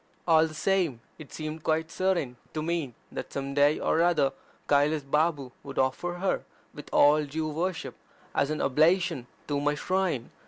All the same, it seemed quite certain to me that some day ox other Kailas Babu would offer her, with all due worship, as an oblation at my shrine.